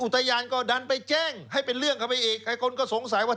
ว่าทำไมถึงไม่เข้าคนก็กดด่า